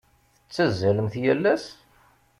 Tettazzalemt yal ass?